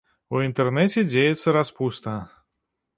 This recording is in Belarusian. У інтэрнэце дзеецца распуста.